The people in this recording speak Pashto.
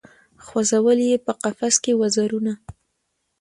خو ځول یې په قفس کي وزرونه